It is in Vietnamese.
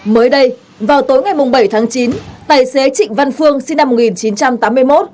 mới đây vào tối ngày bảy tháng chín tài xế trịnh văn phương sinh năm một nghìn chín trăm tám mươi một